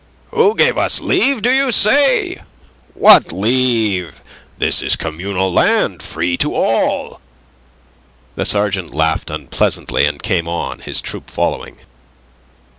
"Who gave us leave, do you say? What leave? This is communal land, free to all." The sergeant laughed unpleasantly, and came on, his troop following.